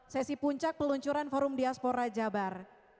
sesi puncak peluncuran forum diaspora jabar